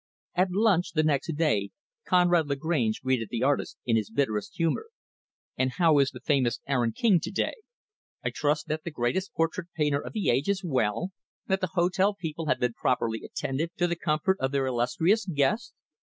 At lunch, the next day, Conrad Lagrange greeted the artist in his bitterest humor. "And how is the famous Aaron King, to day? I trust that the greatest portrait painter of the age is well; that the hotel people have been properly attentive to the comfort of their illustrious guest?